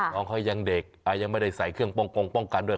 น้องค่อยยังเด็กยังไม่ได้ใส่เครื่องป้องกันด้วย